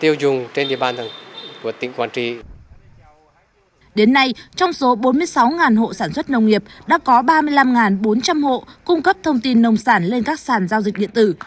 lên các sàn giao dịch điện tử postmark vn